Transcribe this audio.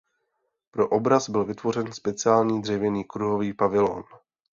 Pro obraz byl vytvořen speciální dřevěný kruhový pavilon.